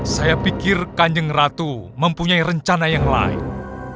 saya pikir kanjeng ratu mempunyai rencana yang lain